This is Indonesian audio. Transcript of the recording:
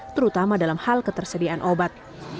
terutama dalam hal ketersediaan obat